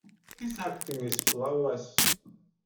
His acting is flawless.